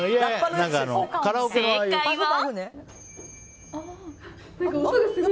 正解は。